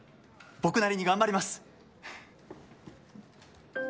僕なりに頑張ります。